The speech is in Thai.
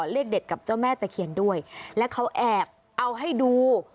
เลขเด็ดกับเจ้าแม่ตะเคียนด้วยและเขาแอบเอาให้ดู